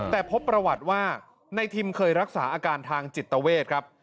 แต่พบประวัติว่าในทิมเคยรักษาอาการทางจิตเวทครับ